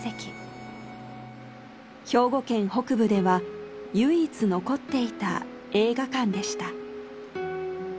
兵庫県北部では唯一残っていた映画館でした。